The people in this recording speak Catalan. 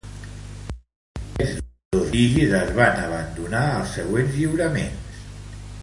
Estos dos vestigis es van abandonar als següents lliuraments de la saga Persona.